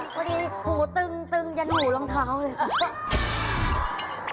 พอดีหูตึงยันหูรองเท้าเลย